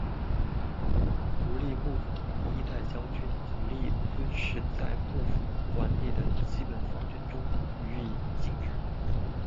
足利幕府第一代将军足利尊氏在幕府管理的基本方针中予以禁止。